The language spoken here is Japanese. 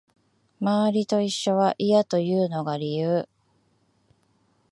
周りと一緒は嫌というのが理由